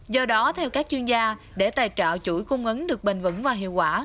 do đó theo các chuyên gia để tài trợ chuỗi cung ứng được bền vững và hiệu quả